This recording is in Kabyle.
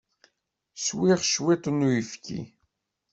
Swiɣ cwiṭ n uyefki.